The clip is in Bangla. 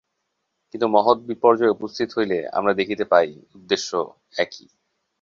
কিন্তু মহৎ বিপর্যয় উপস্থিত হইলে আমরা দেখিতে পাই, উদ্দেশ্য একই।